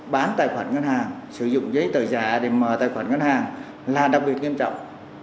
bán tài khoản ngân hàng sử dụng giấy tờ giả để mở tài khoản ngân hàng là đặc biệt nghiêm trọng